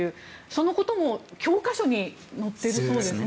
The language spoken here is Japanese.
そのことも教科書に載っているそうですね。